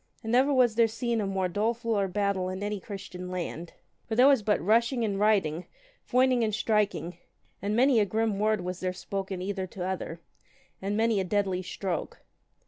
And never was there seen a more dolefuller battle in any Christian land. For there was but rushing and riding, foining and striking, and many a grim word was there spoken either to other, and many a deadly stroke.